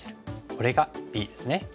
これがＢですね。